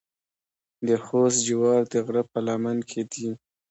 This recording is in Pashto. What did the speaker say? د خوست جوار د غره په لمن کې دي.